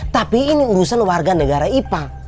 tapi ini urusan warga negara ipa